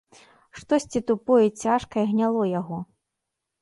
Штосьці тупое і цяжкае гняло яго.